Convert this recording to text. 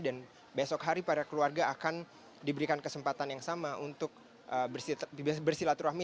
dan besok hari para keluarga akan diberikan kesempatan yang sama untuk bersilaturahmi